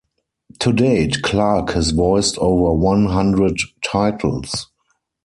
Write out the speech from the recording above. To date, Clarke has voiced over one hundred titles.